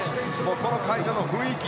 この会場の雰囲気